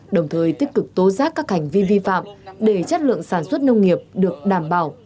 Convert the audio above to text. đồng thời tích cực tố giác các hành vi vi phạm để chất lượng sản xuất nông nghiệp được đảm bảo